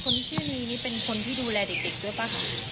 ที่ชื่อมีนี่เป็นคนที่ดูแลเด็กด้วยป่ะคะ